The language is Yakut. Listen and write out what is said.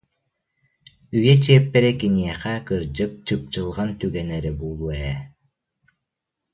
Үйэ чиэппэрэ киниэхэ, кырдьык, чыпчылҕан түгэнэ эрэ буолуо ээ